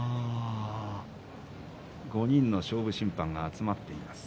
５人の勝負審判が集まっています。